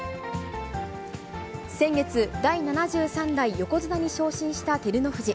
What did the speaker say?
先月、第７３代横綱に昇進した照ノ富士。